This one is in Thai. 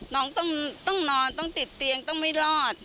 น้องต้องนอนต้องติดเตียงต้องไม่รอด